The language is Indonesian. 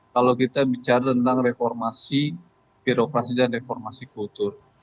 kalau kita bicara tentang reformasi birokrasi dan reformasi kultur